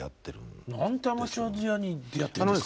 なんでアマチュア時代に出会っているんですか？